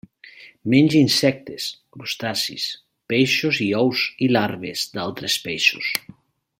Menja insectes, crustacis, peixos i ous i larves d'altres peixos.